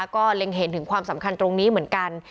ก็เล็งเห็นถึงความสำคัญตรงนี้เหมือนกัน